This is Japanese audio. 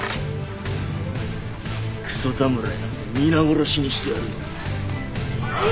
クソ侍なんか皆殺しにしてやるだ。